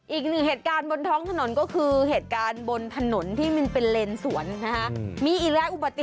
อีกหนึ่งเหตุการณ์บนท้องถนนก็คือเหตุการณ์บนถนนที่มันเป็นเลนสวนอะฮะ